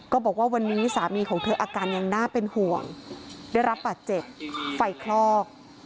บอกว่าวันนี้สามีของเธออาการยังน่าเป็นห่วงได้รับบาดเจ็บไฟคลอก